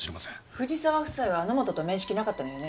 藤沢夫妻は野本と面識なかったのよね？